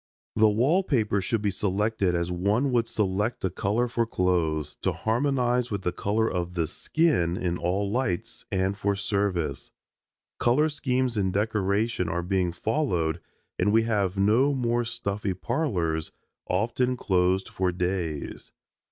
The wall paper should be selected as one would select a color for clothes, to harmonize with the color of the skin in all lights, and for service. Color schemes in decoration are being followed and we have no more stuffy parlors, often closed for days.